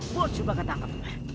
bos juga ketangkep